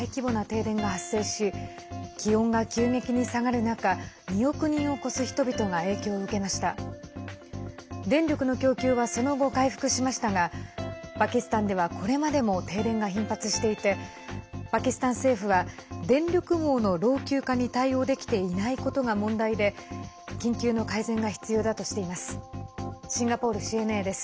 電力の供給はその後、回復しましたがパキスタンではこれまでも停電が頻発していてパキスタン政府は電力網の老朽化に対応できていないことが問題で緊急の改善が必要だとしています。